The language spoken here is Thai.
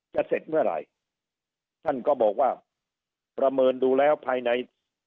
เสร็จเมื่อไหร่ท่านก็บอกว่าประเมินดูแล้วภายใน